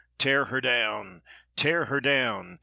Tear her down! Tear her down!